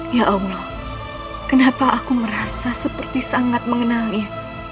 ya allah kenapa aku merasa seperti sangat mengenalnya